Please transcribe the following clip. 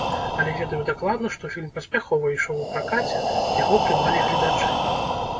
Але ведаю дакладна, што фільм паспяхова ішоў у пракаце, яго прымалі гледачы.